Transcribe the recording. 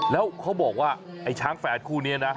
แล้วเขาบอกว่าไอ้ช้างแฝดคู่นี้นะ